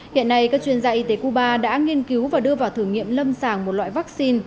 hiện nay các chuyên gia y tế cuba đã nghiên cứu và đưa vào thử nghiệm lâm sàng một loại vaccine